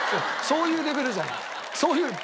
そういうレベルじゃない。